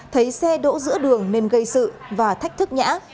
thấy xe đỗ giữa đường nên gây sự và thách thức nhã